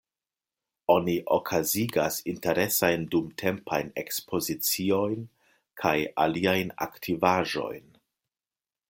Oni okazigas interesajn dumtempajn ekspoziciojn kaj aliajn aktivaĵojn.